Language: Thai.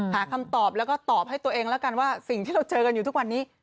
หาคำตอบแล้วก็ตอบให้ตัวเองแล้วกันว่าสิ่งที่เราเจอกันอยู่ทุกวันนี้